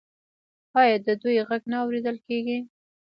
آیا د دوی غږ نه اوریدل کیږي؟